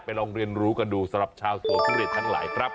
ลองเรียนรู้กันดูสำหรับชาวสวนทุเรียนทั้งหลายครับ